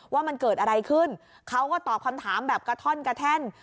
ว่ามันเกิดอะไรขึ้นเขาก็ตอบคำถามแบบกระท่อนกระแท่น